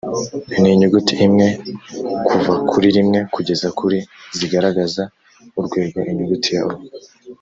n inyuguti imwe kuva kuri rimwe kugeza kuri z igaragaza urwego inyuguti ya o